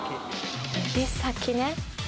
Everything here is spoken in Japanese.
指先ね！